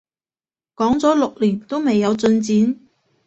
講咗六年都未有進展